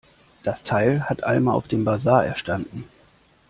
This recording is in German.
Das Teil hat Alma auf dem Basar erstanden.